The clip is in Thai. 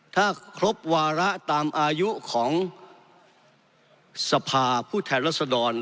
ถ้าครบวาระตามอายุของสภาผู้แทนรัศดร